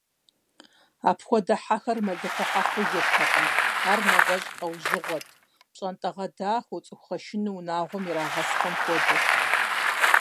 Апхуэдэ хьэхэр мэлыхъуэхьэ хъужыртэкъым, ар нэгъуэщӀ лӀэужьыгъуэт – пщӀантӀэгъэдахэу, цӀыхугъэшынэу унагъуэм ирагъэсхэм хуэдэт.